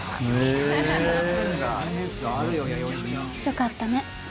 よかったね。